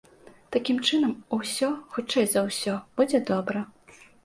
Такім чынам, усё, хутчэй за ўсё, будзе добра.